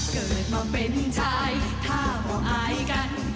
เกิดมาเป็นชายถ้าบ่อายกัน